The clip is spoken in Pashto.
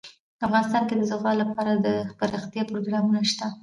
افغانستان کې د زغال لپاره دپرمختیا پروګرامونه شته.